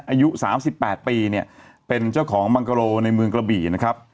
อายุ๓๘ปีเนี่ยเป็นเจ้าของมังกะโลในเมืองกระบี่นะครับ